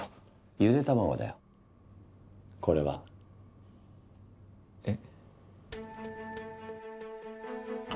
茹で卵だよこれは。えっ？